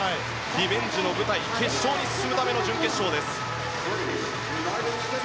リベンジの舞台決勝に進むための準決勝です。